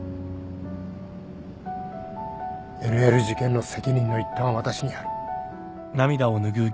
ＬＬ事件の責任の一端は私にある。